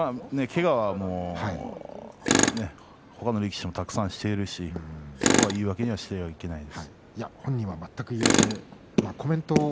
けがは他の力士もたくさんしていますしそこを言い訳にしてはいけません。